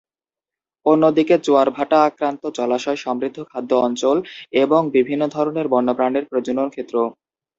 অন্যদিকে, জোয়ার-ভাটা আক্রান্ত জলাশয় সমৃদ্ধ খাদ্য অঞ্চল এবং বিভিন্ন ধরনের বন্যপ্রাণীর প্রজনন ক্ষেত্র।